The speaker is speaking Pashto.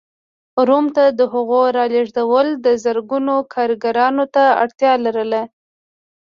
روم ته د هغو رالېږدول زرګونو کارګرانو ته اړتیا لرله.